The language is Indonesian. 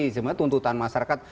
cuma tuntutan masyarakat